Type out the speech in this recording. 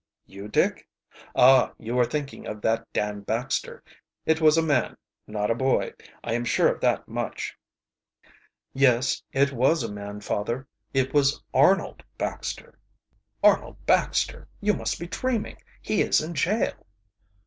"You, Dick? Ah, you are thinking of that Dan Baxter. It was a man, not a boy; I am sure of that much." "Yes, it was a man, father. It was Arnold Baxter." "Arnold Baxter! You must be dreaming. He is in jail."